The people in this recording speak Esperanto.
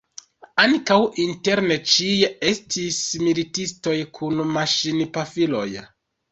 Ankaŭ interne ĉie estis militistoj kun maŝinpafiloj.